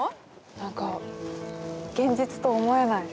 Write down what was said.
何か現実と思えない。